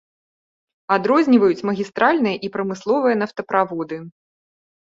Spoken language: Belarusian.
Адрозніваюць магістральныя і прамысловыя нафтаправоды.